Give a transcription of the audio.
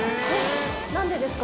何でですか？